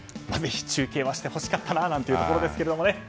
ぜひ中継はしてほしかったなというところですけどね。